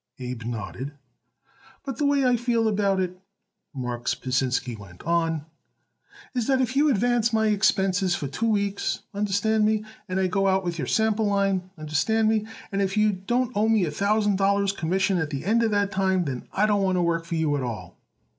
Abe nodded. "But the way I feel about it," Marks Pasinsky went on, "is that if you advance my expenses for two weeks, understand me, and I go out with your sample line, understand me, if you don't owe me a thousand dollars commissions at the end of that time, then I don't want to work for you at all."